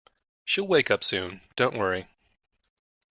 She’ll wake up soon, don't worry